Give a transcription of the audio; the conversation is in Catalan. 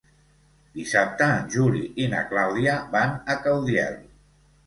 Dissabte en Juli i na Clàudia van a Caudiel.